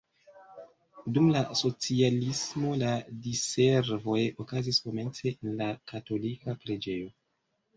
Dum la socialismo la diservoj okazis komence en la katolika preĝejo.